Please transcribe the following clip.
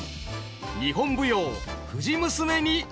日本舞踊「藤娘」に挑む。